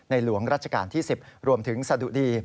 หลวงรัชกาลที่๑๐รวมถึงสะดุดี